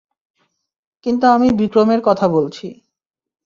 কিন্তু আমি বিক্রমের কথা বলছি।